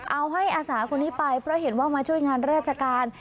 เอาให้อาสาคนนี้ไปเพราะเห็นว่ามาช่วยงานราชการ